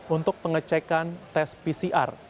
untuk pengecekan tes pcr